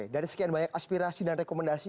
dari sekian banyak aspirasi dan rekomendasi